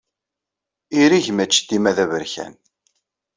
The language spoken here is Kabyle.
Ireg maci dima d aberkan.